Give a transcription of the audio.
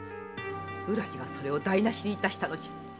浦路がそれを台なしにしたのじゃ。